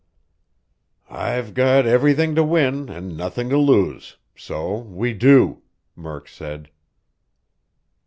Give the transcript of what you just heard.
"I've got everything to win and nothin' to lose so we do!" Murk said.